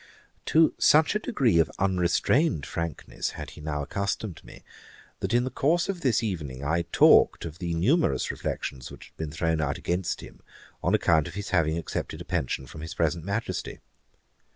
To such a degree of unrestrained frankness had he now accustomed me, that in the course of this evening I talked of the numerous reflections which had been thrown out against him on account of his having accepted a pension from his present Majesty.